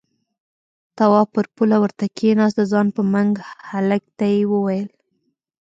تواب پر پوله ورته کېناست، د ځان په منګ هلک ته يې وويل: